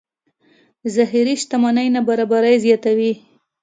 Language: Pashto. ظاهري شتمنۍ نابرابرۍ زیاتوي.